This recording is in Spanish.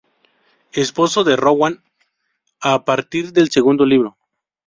Esposo de Rowan a partir del segundo libro.